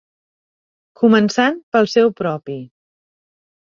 Començant pel seu propi.